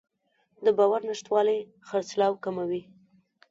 د باور نشتوالی خرڅلاو کموي.